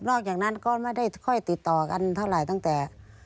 อกจากนั้นก็ไม่ได้ค่อยติดต่อกันเท่าไหร่ตั้งแต่